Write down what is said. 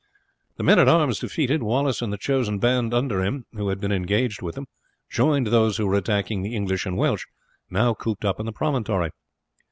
The men at arms defeated, Wallace and the chosen band under him, who had been engaged with them, joined those who were attacking the English and Welsh, now cooped up in the promontory.